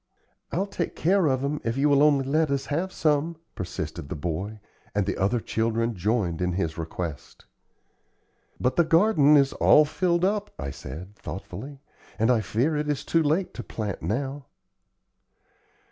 "I'll take care of 'em if you will only let us have some," persisted the boy; and the other children joined in his request. "But the garden is all filled up," I said, thoughtfully; "and I fear it is too late to plant now."